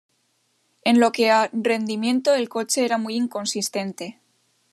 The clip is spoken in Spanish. En lo que a rendimiento el coche era muy inconsistente.